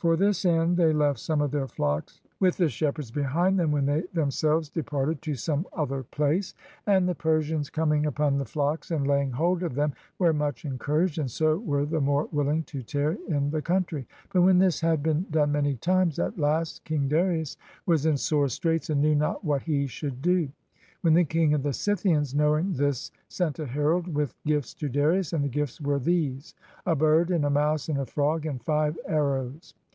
For this end they left some of their flocks with the shepherds behind them when they themselves de parted to some other place. And the Persians coming 340 KING DARIUS AND THE FLYING SCYTHIANS upon the flocks and laying hold of them, were much encouraged, and so were the more willing to tarry in the country. But when this had been done many times, at last King Darius was in sore straits and knew not what he shoukl do. Then the King of the Scythians knowing this sent a herald with gifts to Darius, and the gifts were these: a bird, and a mouse, and a frog, and five arrows.